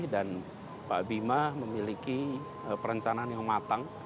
dan pak bima memiliki perencanaan yang matang